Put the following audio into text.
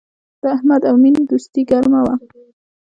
د احمد او مینې دوستي گرمه وه